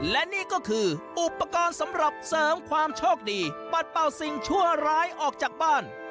และนี่ก็คืออุปกรณ์สำหรับเสริมความโชคดีปัดเป่าสิ่งชั่วร้ายออกจากบ้าน